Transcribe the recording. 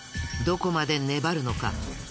どこまで粘るのか？